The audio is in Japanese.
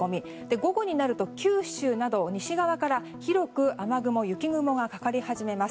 午後になると九州など西側から広く雨雲、雪雲がかかり始めます。